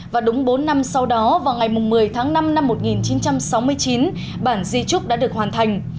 và đúng bốn năm sau đó vào ngày một mươi tháng năm năm một nghìn chín trăm sáu mươi chín bản di trúc đã được hoàn thành